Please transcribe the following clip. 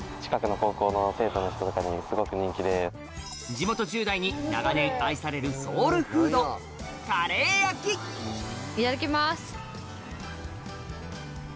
地元１０代に長年愛されるソウルフードいただきます。